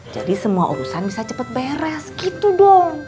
jadi semua urusan bisa cepet beres gitu dong